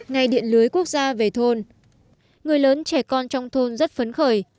ngày điện lưới quốc gia về thôn người lớn trẻ con trong thôn rất phấn khởi